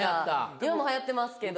今もはやってますけど。